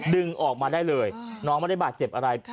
ดึงออกมาได้เลยน้องไม่ได้บาดเจ็บอะไร